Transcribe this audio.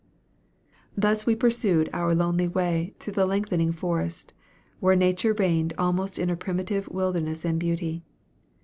"Thus we pursued our lonely way through the lengthening forest, where Nature reigned almost in her primitive wildness and beauty.